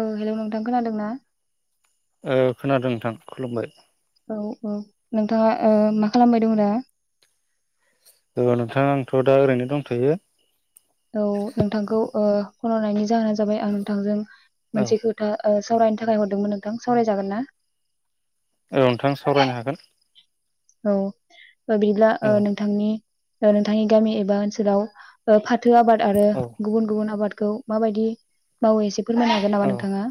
औ हेलौ नोंथां खोनादोंना ओ खोनादों नोंथां खुलुमबाय। औ औ नोंथाङा ओ मा खालामबाय दंङ दा? औ नोंथां आंथ' दा ओरैनो दंथायो। औ नोंथांखौ ओ फन हरनायनि जाहोना जाबाय आं नोंथांजों औ मोनसे खोथा ओ सावरायनो थाखाय हरदोंमोन नोंथां सावरायजागोन ना? औ नोंथां सावरायनो हागोन। औ। ओ बिदिला ओ औ नोंथांनि ओ नोंथांनि गामि एबा ओनसोलाव ओ फाथ फाथो आबाद आरो औ गुबुन गुबुन आबाद गौ माबायदि मावो एसे फोरमायनो हागोन नामा औ नोंथाङा?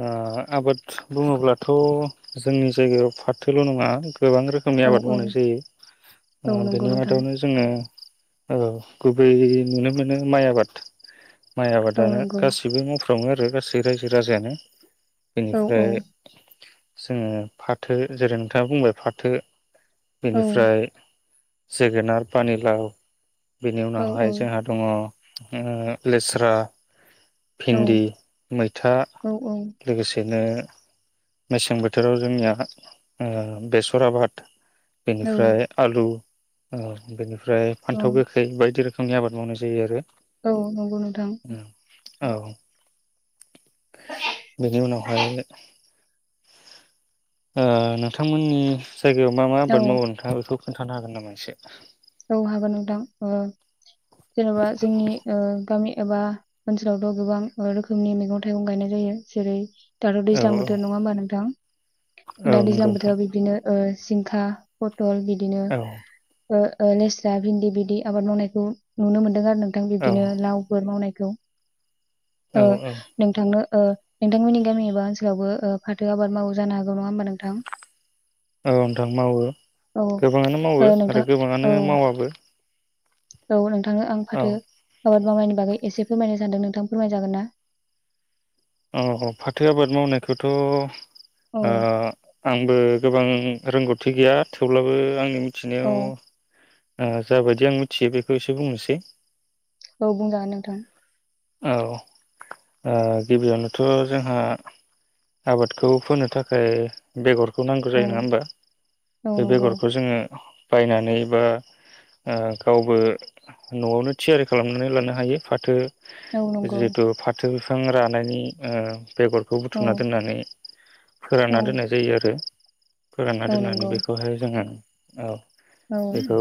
ओ आबाद बुङोब्लाथ' जोंनि जायगायाव फाथोल' नङा। गोबां रोखोमनि औ आबाद औ मावनाय जायो औ ओ नंगौ बेनि नोंथां मादावनो जोङो ओ गुबैयै नुनो मोनो माइ आबाद। माइ औ आबादानो नंगौ गासिबो मावफ दङो आरो गासै रायजो राजायानो। [inaudible] औ बेनिफ्राय जोङो फाथो जेरै नोंथाङा बुंबाय फाथो औ बेनिफ्राय जोगोनार पानि लााव। बेनि औ औ उनावहाय जोंहा दङ ओ लेस्रा औ भिन्दि मैथा। औ लोगोसेनो मेसें बोथोराव जोंनिया ओ बेसर आबाद बेनिफ्राय आलु। ओ बेनिफ फ्राय औ फान्थाव गोखै बायदि रोख फांनि आबाद मावनाय जायो आरो। औ नंगौ नोंथां। औ। [unintelligible] बेदि उनावहाय ओ नोंथांमोननि जायगायाव मा मा आबाद औ मावो नोंथाङा बेख खोन्थानो हागोन नामा एसे? [unintelligible] औ हागोन नोंथां ओ जेनेबा जोंनि ओ गामि एबा ओनसोलावथ' गोबां रोखोमनि मैगं थाइगं गायनाय जायो जेरै दाथ' औ दैज्लां औ बोथोर नङा होनोमबा नोंथां औ दा नंगौ दैज्लां नोंथां बोथोराव बिदिनो ओ जिंखा प दल बिदिनो औ [unintelligible] लेस्रा भिन्दि बिदि आबाद मावनायखौ नुनो मोन्दों आरो नों गां बिबदिनो लावफोर मावनाय खौ [unintelligible] औ ओ नोंथांनो ओ नोंथांमोननि गामि एबा ओनसोलावबो ओ फाथो आबाद मावो जानो हागौ नङा होमबा नोंथां? औ नोंथां मावो औ गोबाङानो मावो ओ आरो नोंथां गोबाङा आनो औ मावाबो । औ नों थाङो आं फाथो आबाद मावनायनि बागै एसे फोरमायनो सानदों नोंथां फोरमाय जागोन ना? अ ह फाथो आबाद मावनायखौथ' औ [unintelligible] आंबो गोबां रोंगौथि गैया थेवब्लाबो आंनि मि औ थिनायाव आङो जाबायदि आं मिथियो बेखौ एसे बुंनोसै औ बुंजागोन नोंथां । औ ओ गिबियावनोथ' जोंहा आबादखौ फोनो थाखाय बेगर खौ नांगौ औ जायो नङाहोमबा औ बे नंगौ बेगरखौ जोङो बायनानै बा ओ गावबो न'आवनो थियारि खालामनानै लानो हायो फाथो औ नंगौ जितु फाथो फां रानायनि ओ बेगरखौ औ बुथुमना दोननानै औ फोरानना दोननाय जायो आरो । फोरानना औ दोननानै नंगौ बेखौहाय जोंहा औ औ । बेखौ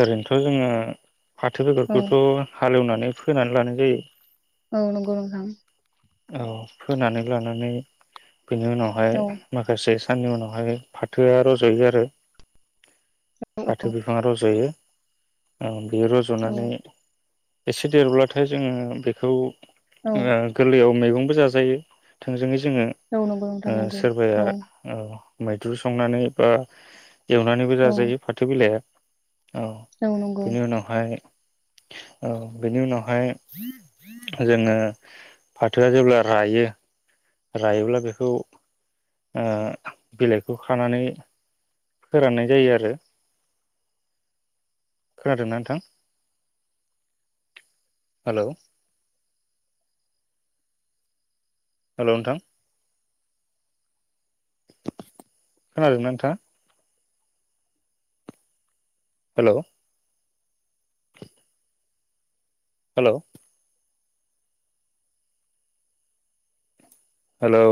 ओरैनोथ' जोङो फाथो औ बेगरखौथ' हालौनानै फोनानै लानाय जायो। औ नंगौ नोंथां। औ फोनानै लानानै बिनि उनावहाय औ माखासे साननि उनावहाय फाथोआ रजायो आरो। फाथो बिफाङा रज'यो। औ बेयो औ रज'नानै एसे देरब्लाथाय जोङो बेखौ ओ गोरलयाव मैगंबो जाजायो थोंजोङै जोङो औ नंगौ नोंथां ओ नंगौ औ सोरबाया औ मैद्रु संनानै बा एवनानैबो औ जाजायो फाथो बिलाइया। औ औ नंगौ बेनि उनावहाय औ बेनि उनावहाय जोङो फाथोआ जेब्ला रायो रायोब्ला बेखौ ओ बिलाइखौ खानानै फोराननाय जायो आरो खोनादोंना नोंथां? हेलौ हेलौ नोंथां खोनादोंना नोंथाङा? Hello hello hello